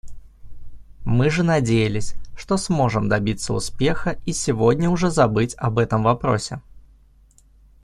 Мы же надеялись, что сможем добиться успеха и сегодня уже забыть об этом вопросе.